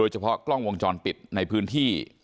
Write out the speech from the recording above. เฉพาะกล้องวงจรปิดในพื้นที่